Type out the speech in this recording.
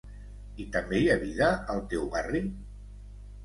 I també hi ha vida al teu barri?